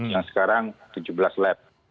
yang sekarang tujuh belas lab